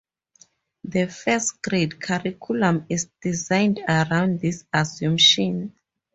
The first-grade curriculum is designed around this assumption.